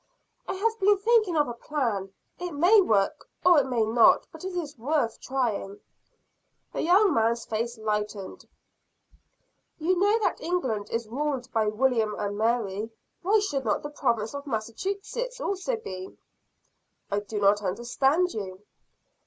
"I have been thinking of a plan. It may work or may not. But it is worth trying." The young man's face lightened. "You know that England is ruled by William and Mary, why should not the Province of Massachusetts also be?" "I do not understand you."